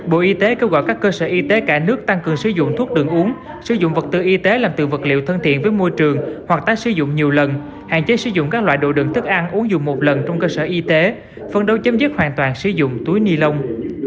bộ y tế kêu gọi các cơ sở y tế cả nước tăng cường sử dụng thuốc đường uống sử dụng vật tư y tế làm từ vật liệu thân thiện với môi trường hoặc tái sử dụng nhiều lần hạn chế sử dụng các loại đồ đựng thức ăn uống dùng một lần trong cơ sở y tế phân đấu chấm dứt hoàn toàn sử dụng túi ni lông